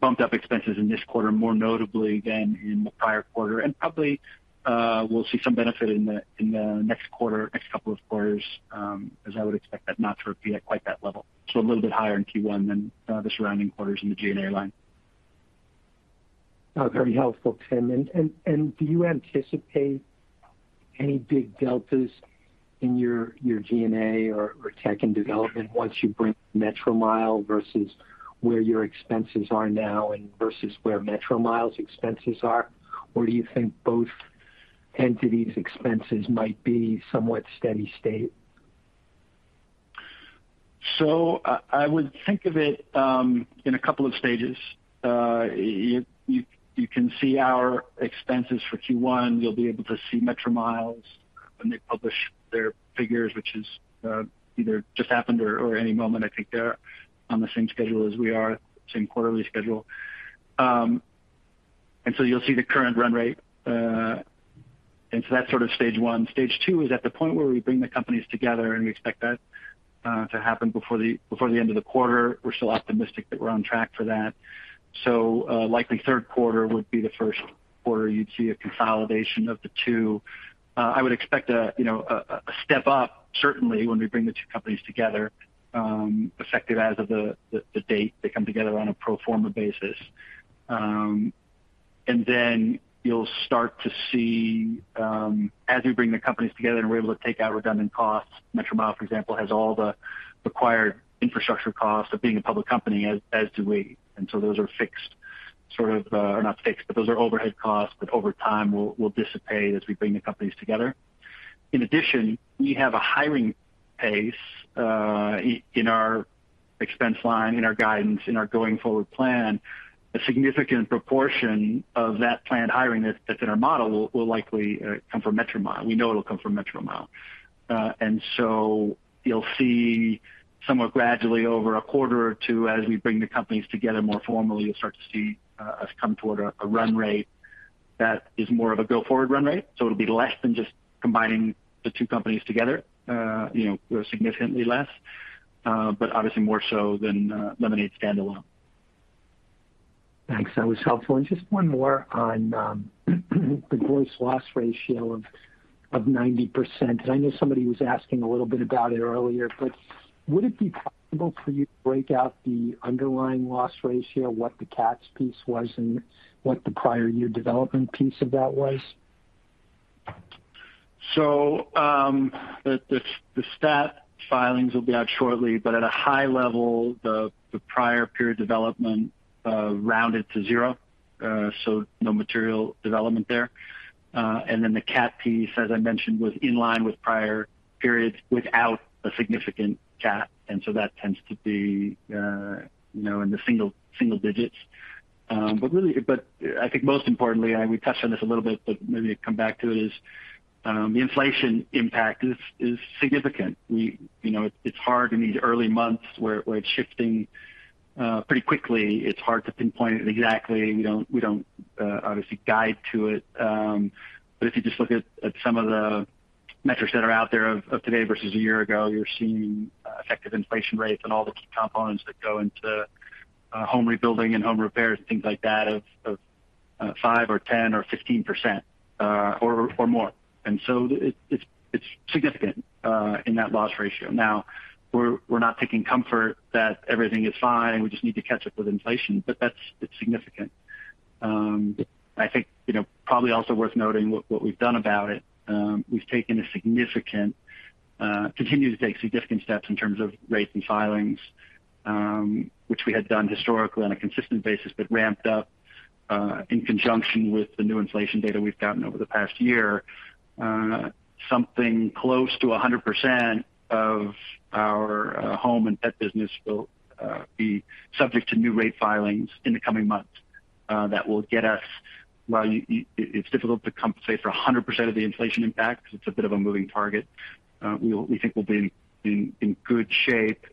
bumped up expenses in this quarter more notably than in the prior quarter. Probably we'll see some benefit in the next quarter, next couple of quarters, as I would expect that not to repeat at quite that level. A little bit higher in Q1 than the surrounding quarters in the G&A line. Oh, very helpful, Tim. Do you anticipate any big deltas in your G&A or tech and development once you bring Metromile versus where your expenses are now and versus where Metromile's expenses are? Or do you think both entities' expenses might be somewhat steady state? I would think of it in a couple of stages. You can see our expenses for Q1. You'll be able to see Metromile's when they publish their figures, which is either just happened or any moment. I think they're on the same schedule as we are, same quarterly schedule. You'll see the current run rate, and that's sort of stage one. Stage two is at the point where we bring the companies together, and we expect that to happen before the end of the quarter. We're still optimistic that we're on track for that. Likely third quarter would be the first quarter you'd see a consolidation of the two. I would expect, you know, a step up certainly when we bring the two companies together, effective as of the date they come together on a pro forma basis. You'll start to see as we bring the companies together and we're able to take out redundant costs. Metromile, for example, has all the required infrastructure costs of being a public company, as do we. Those are fixed sort of, or not fixed, but those are overhead costs that over time will dissipate as we bring the companies together. In addition, we have a hiring pace in our expense line, in our guidance, in our going forward plan. A significant proportion of that planned hiring that's in our model will likely come from Metromile. We know it'll come from Metromile. You'll see somewhat gradually over a quarter or two as we bring the companies together more formally. You'll start to see us come toward a run rate that is more of a go forward run rate. It'll be less than just combining the two companies together, you know, significantly less, but obviously more so than Lemonade standalone. Thanks. That was helpful. Just one more on the gross loss ratio of 90%. I know somebody was asking a little bit about it earlier, but would it be possible for you to break out the underlying loss ratio, what the CATs piece was, and what the prior year development piece of that was? The statutory filings will be out shortly, but at a high level, the prior period development rounded to zero, so no material development there. The CAT piece, as I mentioned, was in line with prior periods without a significant CAT, and so that tends to be in the single digits. Really, I think most importantly, and we touched on this a little bit, but maybe come back to it, the inflation impact is significant. We, you know, it's hard in these early months where it's shifting pretty quickly. It's hard to pinpoint it exactly. We don't obviously guide to it. If you just look at some of the metrics that are out there of today versus a year ago, you're seeing effective inflation rates and all the key components that go into home rebuilding and home repairs and things like that of 5% or 10% or 15% or more. It's significant in that loss ratio. Now, we're not taking comfort that everything is fine, we just need to catch up with inflation, but it's significant. I think, you know, probably also worth noting what we've done about it. We've taken significant steps and continue to take significant steps in terms of rates and filings, which we had done historically on a consistent basis, but ramped up in conjunction with the new inflation data we've gotten over the past year. Something close to 100% of our home and pet business will be subject to new rate filings in the coming months, that will get us while it's difficult to compensate for 100% of the inflation impact 'cause it's a bit of a moving target. We think we'll be in good shape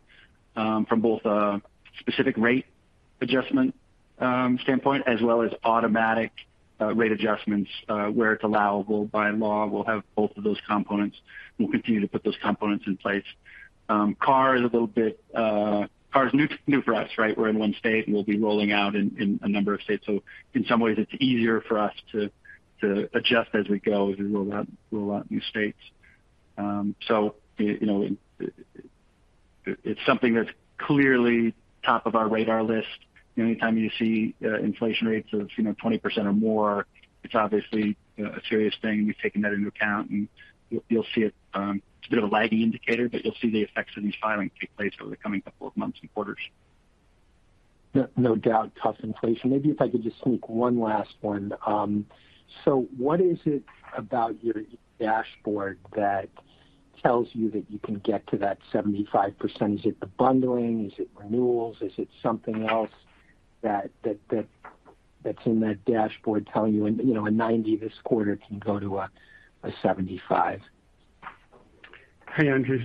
from both a specific rate adjustment standpoint as well as automatic rate adjustments where it's allowable by law. We'll have both of those components. We'll continue to put those components in place. Car is new for us, right? We're in one state, and we'll be rolling out in a number of states. In some ways it's easier for us to adjust as we go as we roll out new states. You know, it's something that's clearly top of our radar list. You know, anytime you see inflation rates of 20% or more, it's obviously a serious thing. We've taken that into account and you'll see it. It's a bit of a lagging indicator, but you'll see the effects of these filings take place over the coming couple of months and quarters. No, no doubt. Tough inflation. Maybe if I could just sneak one last one. So what is it about your dashboard that tells you that you can get to that 75%. Is it the bundling? Is it renewals? Is it something else that's in that dashboard telling you when, you know, a 90% this quarter can go to a 75%? Hey, Andrew.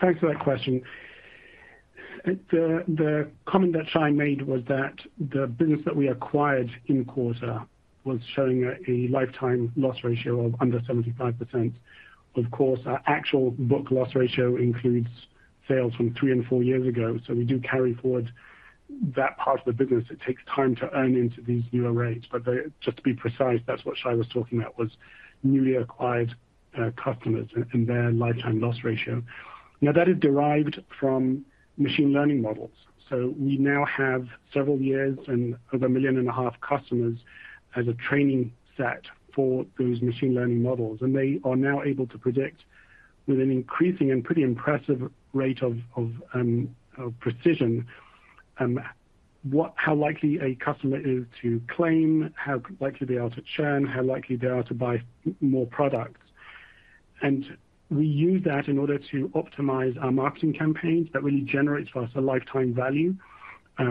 Thanks for that question. The comment that Shai made was that the business that we acquired in quarter was showing a lifetime loss ratio of under 75%. Of course, our actual book loss ratio includes sales from three and four years ago, so we do carry forward that part of the business. It takes time to earn into these newer rates. Just to be precise, that's what Shai was talking about, was newly acquired customers and their lifetime loss ratio. Now, that is derived from machine learning models. So we now have several years and over 1.5 million customers as a training set for those machine learning models. They are now able to predict with an increasing and pretty impressive rate of precision, how likely a customer is to claim, how likely they are to churn, how likely they are to buy more products. We use that in order to optimize our marketing campaigns. That really generates for us a lifetime value. As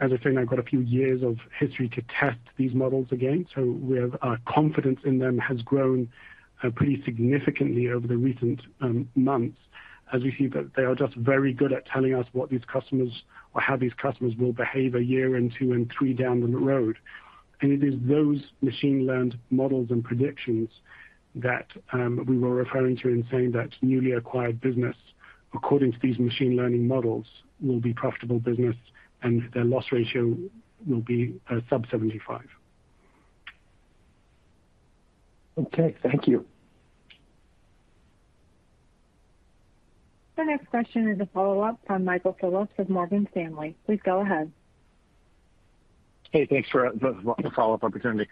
I said, we've now got a few years of history to test these models again. We have confidence in them has grown pretty significantly over the recent months as we see that they are just very good at telling us what these customers or how these customers will behave a year and two and three down the road. It is those machine learned models and predictions that we were referring to in saying that newly acquired business, according to these machine learning models, will be profitable business and their loss ratio will be sub 75%. Okay, thank you. The next question is a follow-up from Michael Phillips with Morgan Stanley. Please go ahead. Hey, thanks for the follow-up opportunity.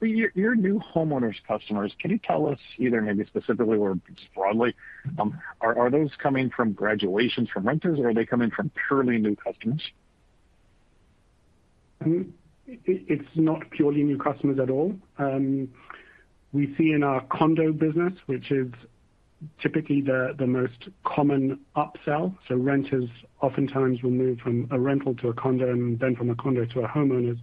Your new homeowners customers, can you tell us either maybe specifically or just broadly, are those coming from graduations from renters or are they coming from purely new customers? It's not purely new customers at all. We see in our condo business, which is typically the most common upsell, so renters oftentimes will move from a rental to a condo and then from a condo to a homeowners.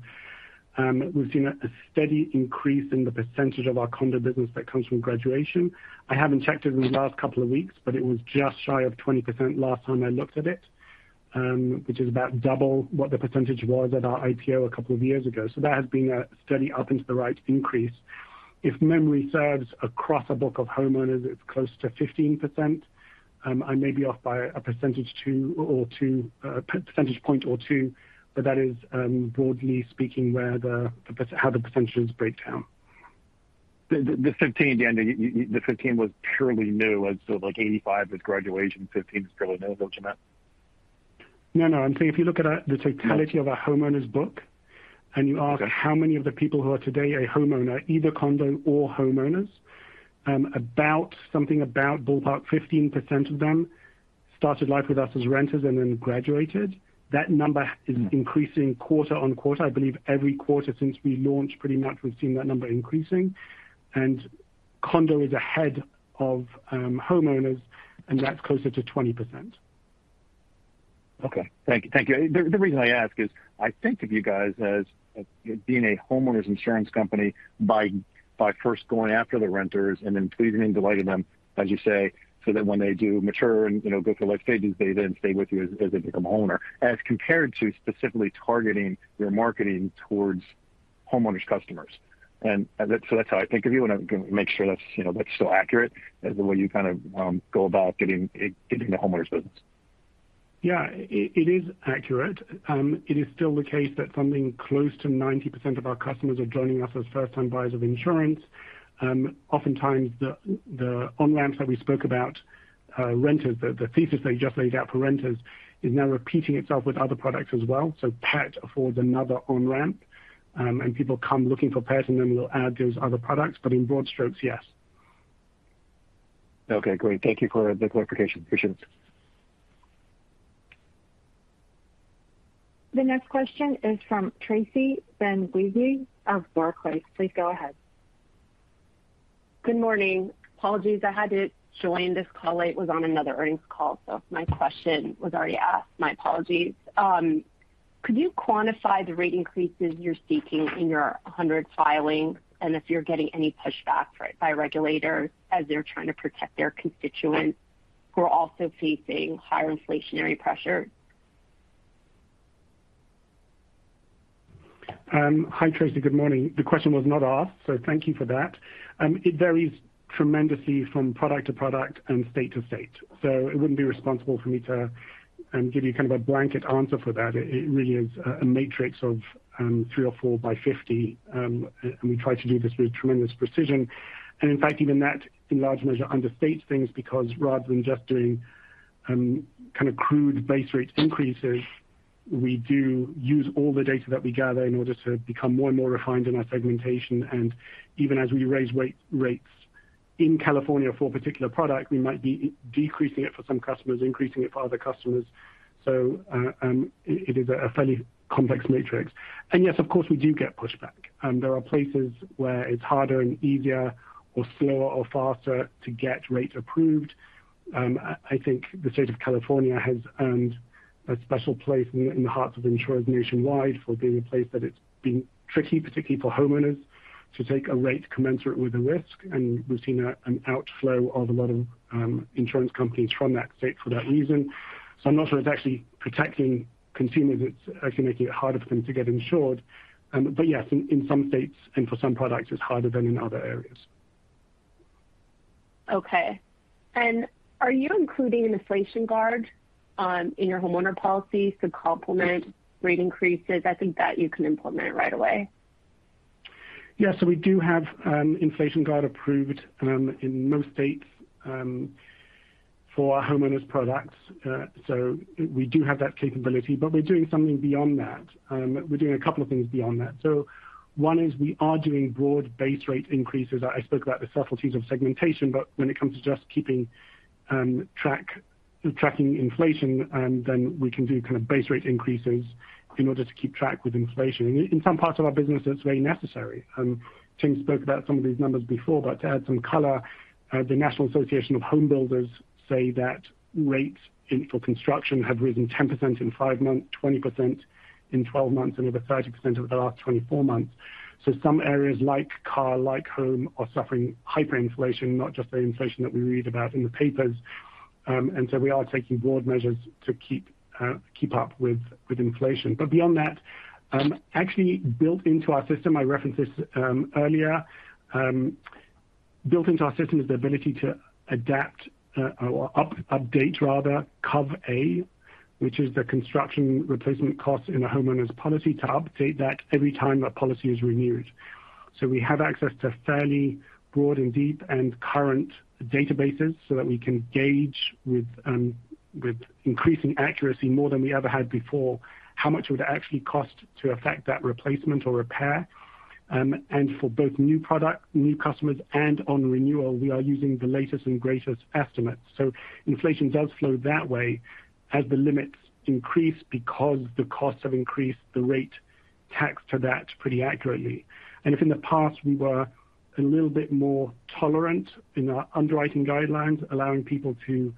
We've seen a steady increase in the percentage of our condo business that comes from graduation. I haven't checked it in the last couple of weeks, but it was just shy of 20% last time I looked at it, which is about double what the percentage was at our IPO a couple of years ago. That has been a steady up into the right increase. If memory serves, across a book of homeowners, it's close to 15%. I may be off by a percentage point or two, but that is, broadly speaking, where the percentages break down. The 15%, Dan. The 15% was purely new, as sort of like 85% was graduation. 15% is purely new. Is that what you meant? No, no. I'm saying if you look at the totality. Yeah. Of our homeowners book and you ask. Okay. How many of the people who are today a homeowner, either condo or homeowners, ballpark 15% of them started life with us as renters and then graduated. That number is increasing quarter-on-quarter. I believe every quarter since we launched, pretty much we've seen that number increasing. Condo is ahead of homeowners, and that's closer to 20%. Okay. Thank you. Thank you. The reason I ask is I think of you guys as being a homeowners insurance company by first going after the renters and then pleasing and delighting them, as you say, so that when they do mature and, you know, go through life stages, they then stay with you as they become a homeowner, as compared to specifically targeting your marketing towards homeowners customers. That's how I think of you, and I can make sure that's, you know, that's still accurate as the way you kind of go about getting the homeowners business. Yeah, it is accurate. It is still the case that something close to 90% of our customers are joining us as first-time buyers of insurance. Oftentimes the on-ramps that we spoke about, renters, the thesis that you just laid out for renters is now repeating itself with other products as well. Pet affords another on-ramp, and people come looking for pet, and then we'll add those other products. In broad strokes, yes. Okay, great. Thank you for the clarification. Appreciate it. The next question is from Tracy Benguigui of Barclays. Please go ahead. Good morning. Apologies I had to join this call late, was on another earnings call, so if my question was already asked, my apologies. Could you quantify the rate increases you're seeking in your 100 filings and if you're getting any pushback by regulators as they're trying to protect their constituents who are also facing higher inflationary pressure? Hi, Tracy. Good morning. The question was not asked, so thank you for that. It varies tremendously from product to product and state to state. It wouldn't be responsible for me to give you kind of a blanket answer for that. It really is a matrix of three or four by 50. We try to do this with tremendous precision. In fact, even that in large measure understates things because rather than just doing kind of crude base rate increases. We do use all the data that we gather in order to become more and more refined in our segmentation. Even as we raise rate, rates in California for a particular product, we might be decreasing it for some customers, increasing it for other customers. It is a fairly complex matrix. Yes, of course, we do get pushback. There are places where it's harder and easier or slower or faster to get rates approved. I think the state of California has earned a special place in the hearts of insurers nationwide for being a place that it's been tricky, particularly for homeowners, to take a rate commensurate with the risk. We've seen an outflow of a lot of insurance companies from that state for that reason. I'm not sure it's actually protecting consumers. It's actually making it harder for them to get insured. Yes, in some states and for some products, it's harder than in other areas. Okay. Are you including an inflation guard in your homeowners policy to complement rate increases? I think that you can implement right away. Yeah, we do have inflation guard approved in most states for our homeowners products. We do have that capability. We're doing something beyond that. We're doing a couple of things beyond that. One is we are doing broad base rate increases. I spoke about the subtleties of segmentation, but when it comes to just keeping track of inflation, then we can do kind of base rate increases in order to keep track with inflation. In some parts of our business, it's very necessary. Tim spoke about some of these numbers before, but to add some color, the National Association of Home Builders say that rates for construction have risen 10% in five months, 20% in 12 months, and over 30% over the last 24 months. Some areas like car, like home, are suffering hyperinflation, not just the inflation that we read about in the papers. We are taking broad measures to keep up with inflation. Beyond that, actually built into our system, I referenced this earlier. Built into our system is the ability to adapt, or update rather Cov A, which is the construction replacement cost in a homeowner's policy, to update that every time a policy is renewed. We have access to fairly broad and deep and current databases so that we can gauge with increasing accuracy more than we ever had before, how much would it actually cost to effect that replacement or repair. For both new product, new customers and on renewal, we are using the latest and greatest estimates. Inflation does flow that way. As the limits increase because the costs have increased the ratchets to that pretty accurately. If in the past we were a little bit more tolerant in our underwriting guidelines, allowing people to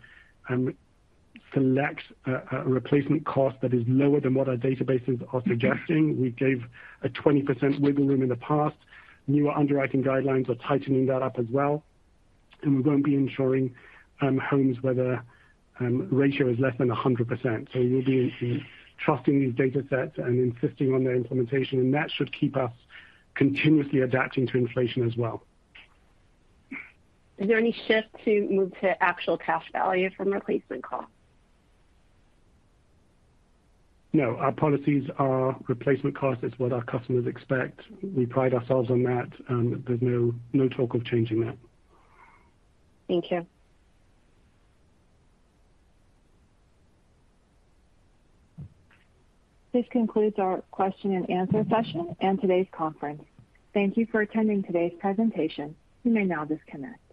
select a replacement cost that is lower than what our databases are suggesting, we gave a 20% wiggle room in the past. Newer underwriting guidelines are tightening that up as well. We won't be insuring homes where the ratio is less than 100%. We'll be trusting these datasets and insisting on their implementation, and that should keep us continuously adapting to inflation as well. Is there any shift to move to actual cash value from replacement cost? No, our policies are replacement cost. It's what our customers expect. We pride ourselves on that. There's no talk of changing that. Thank you. This concludes our question and answer session and today's conference. Thank you for attending today's presentation. You may now disconnect.